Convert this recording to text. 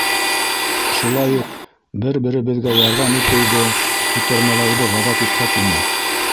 Шулай уҡ бер-беребеҙгә ярҙам итеүҙе, күтәрмәләүҙе ғәҙәт итһәк ине.